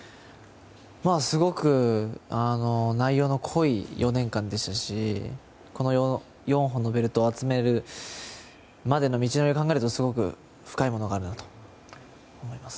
すごく内容の濃い４年間でしたしこの４本のベルトを集めるまでの道のりを考えるとすごく深いものがあるなと思います。